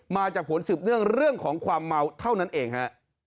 มาจากผลสืบเนื่องเรื่องของความเมาเท่านั้นเองฮะ